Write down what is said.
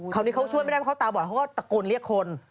คราวนี้เขาช่วยไม่ได้เพราะเขาตาบอดเขาก็ตะโกนเรียกคน